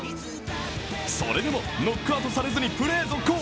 それでもノックアウトされず、プレー続行。